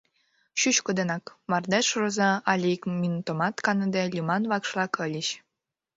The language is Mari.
Чӱчкыдынак: “Мардеж роза” але “Ик минутымат каныде” лӱман вакш-влак ыльыч.